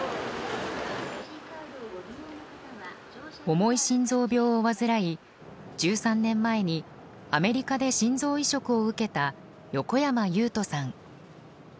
重い心臓病を患い１３年前にアメリカで心臓移植を受けた横山由宇人さん。